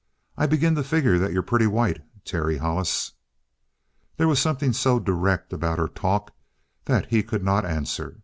I begin to figure that you're pretty white, Terry Hollis." There was something so direct about her talk that he could not answer.